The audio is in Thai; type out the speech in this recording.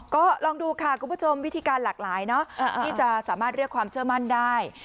ก็ลองดูค่ะคุณผู้ชมวิธีการหลากหลายเนอะที่จะสามารถเรียกความเชื่อมั่นได้